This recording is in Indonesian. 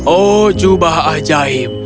oh jubah ajaib